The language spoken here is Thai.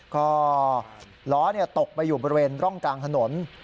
ก็ล้อตกไปอยู่บริเวณร่องกลางถนน